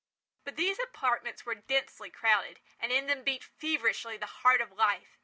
But these other apartments were densely crowded, and in them beat feverishly the heart of life.